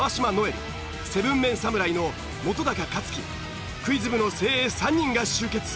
留７ＭＥＮ侍の本克樹クイズ部の精鋭３人が集結。